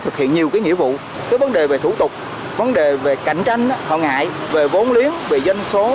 thực hiện nhiều nghĩa vụ vấn đề về thủ tục vấn đề về cạnh tranh họ ngại về vốn lý về danh số